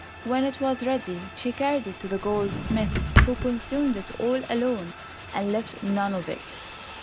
When it was ready, she carried it to the goldsmith, who consumed it all alone, and left none of it.